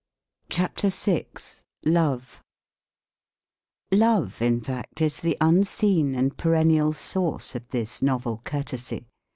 VI LOVE Love, in fact, is the unseen and perennial source of this novel courtesy.